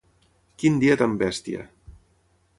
Quin dia tan bèstia!